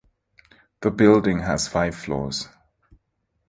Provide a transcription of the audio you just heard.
The building has five floors.